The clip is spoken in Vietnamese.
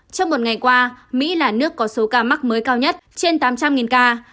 trong một ngày qua mỹ là nước có số ca mắc mới cao nhất trên tám trăm linh ca